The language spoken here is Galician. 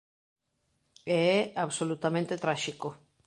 E é absolutamente tráxico.